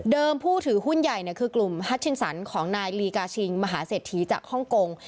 ผู้ถือหุ้นใหญ่คือกลุ่มฮัชชินสันของนายลีกาชิงมหาเศรษฐีจากฮ่องกง